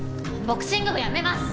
ボクシング部やめます！